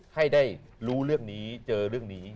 ให้ได้รู้เรื่องนี้เจอเรื่องนี้